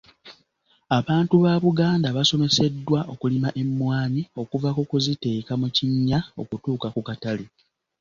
Abantu ba Buganda basomeseddwa okulima emmwanyi okuva ku kuziteeka mu kinnya okutuuka ku katale.